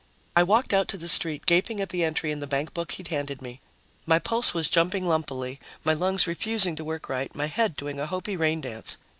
I walked out to the street, gaping at the entry in the bankbook he'd handed me. My pulse was jumping lumpily, my lungs refusing to work right, my head doing a Hopi rain dance.